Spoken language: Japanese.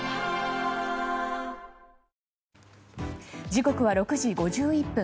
時刻は６時５１分。